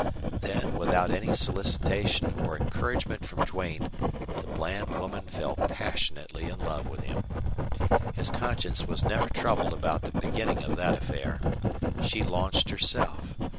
Then, without any solicitation or encouragement from Duane, the Bland woman fell passionately in love with him. His conscience was never troubled about the beginning of that affair. She launched herself.